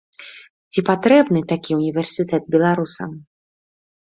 Ці патрэбны такі ўніверсітэт беларусам?